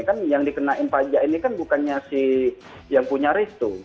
kan yang dikenain pajak ini kan bukannya si yang punya restu